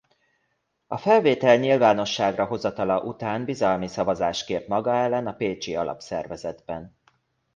A felvétel nyilvánosságra hozatala után bizalmi szavazást kért maga ellen a pécsi alapszervezetben.